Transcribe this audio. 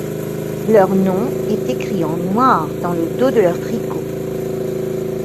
Leur nom est écrit en noir dans le dos de leur tricot.